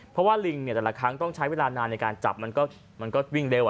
เพราะว่าลิงเนี่ยแต่ละครั้งต้องใช้เวลานานในการจับมันก็วิ่งเร็ว